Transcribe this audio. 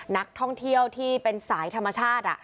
นักท่องเที่ยวที่เป็นสายธรรมชาติ